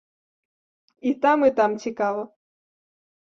І там, і там цікава.